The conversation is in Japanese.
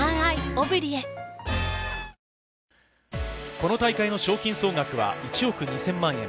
この大会の賞金総額は１億２０００万円。